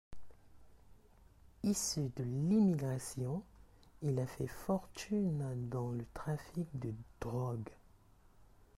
Issu de l'immigration, il a fait fortune dans le trafic de drogue.